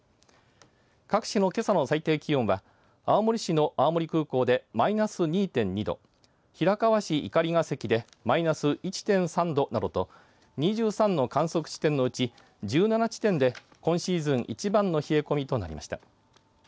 各地のけさの最低気温は青森市の青森空港でマイナス２．２度平川市碇ヶ関でマイナス１．３度などと２３の観測地点のうち１７地点で今シーズン一番の冷え込みとなりました。